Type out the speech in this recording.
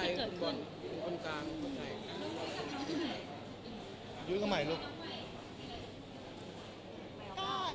ถ้ายังยืดเหยือกันอยู่ความสบายใจของพ่อพ่อบอกตลอดว่าอย่าทะเลาะกัน